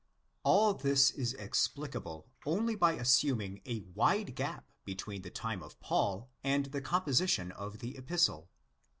All this is explicable only by assuming a wide gap between the time of Paul and the composition of the Epistle.